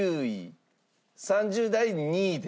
３０代２位です。